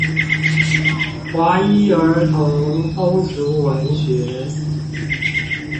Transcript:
華一兒童通俗文學